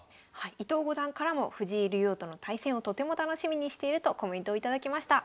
伊藤五段からも藤井竜王との対戦をとても楽しみにしているとコメントを頂きました。